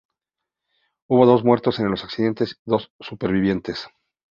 Hubo dos muertos en el accidente y dos supervivientes.